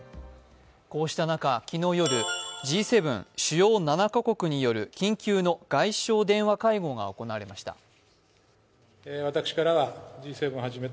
こうした中、昨日夜、Ｇ７＝主要７カ国による緊急の外相電話会合が行われました。